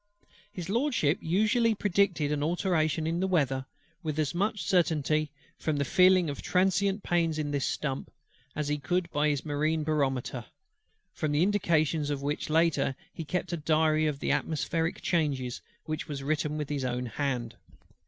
HIS LORDSHIP usually predicted an alteration in the weather with as much certainty from feeling transient pains in this stump, as he could by his marine barometer; from the indications of which latter he kept a diary of the atmospheric changes, which was written with his own hand.